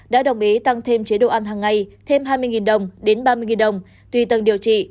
đã đồng ý tăng thêm chế độ ăn hàng ngày thêm hai mươi đồng đến ba mươi đồng tùy tầng điều trị